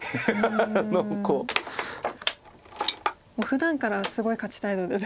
ふだんからすごい勝ちたいので。